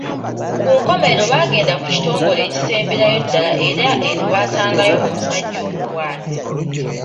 Ku nkomerero baagenda ku kitongole ekisemberayo ddala era eno baasangayo omusajja omu bw’ati.